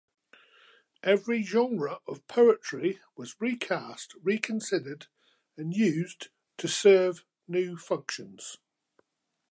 Every genre of poetry was recast, reconsidered, and used to serve new functions.